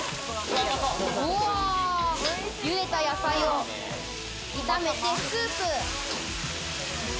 茹でた野菜を炒めてスープ。